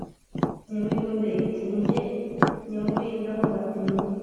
nyamirunde iti : ni jye nyamurind-aho-batinya,